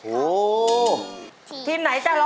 โอ้ทีมไหนจะร้องก่อนครับ